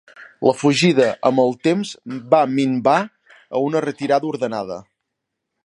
La fugida amb el temps va minvar a una retirada ordenada.